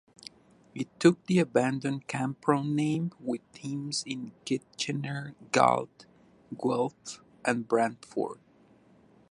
It took the abandoned Canpro name with teams in Kitchener, Galt, Guelph, and Brantford.